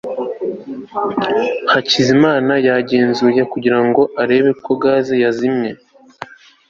hakizimana yagenzuye kugira ngo arebe ko gaze yazimye